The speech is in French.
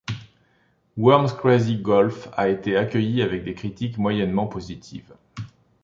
Worms Crazy Golf a été accueilli avec des critiques moyennement positives.